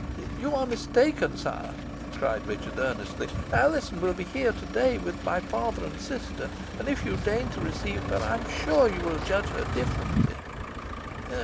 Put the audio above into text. "You are mistaken, sire," cried Richard, earnestly. "Alizon will be here to day with my father and sister, and, if you deign to receive her, I am sure you will judge her differently."